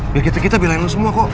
ya kita kita bilangin lo semua kok